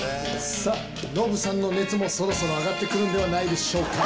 さぁノブさんの熱もそろそろ上がって来るんではないでしょうか。